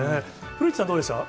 古市さん、どうでした？